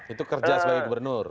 itu kerja sebagai gubernur